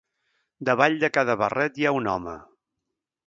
Davall de cada barret hi ha un home.